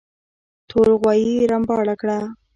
تور غوايي رمباړه کړه.